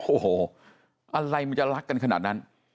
โอ้โหอะไรมันจะรักกันขนาดนั้น